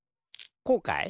こうかい？